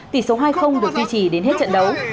tỷ số hai được duy trì đến hết trận đấu